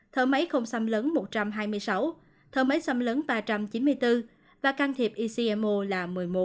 thở máy không xâm lấn một trăm hai mươi sáu thở máy xâm lấn ba trăm chín mươi bốn và can thiệp ecmo là một mươi một